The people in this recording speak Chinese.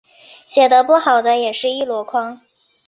写的不好的也是一箩筐